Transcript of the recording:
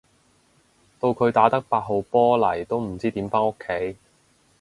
到佢打得八號波嚟都唔知點返屋企